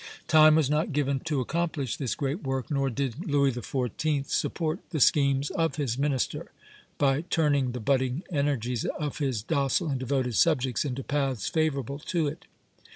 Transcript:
Time was not given to accomplish this great work, nor did Louis XIV. support the schemes of his minister by turning the budding energies of his docile and devoted subjects into paths favorable to it.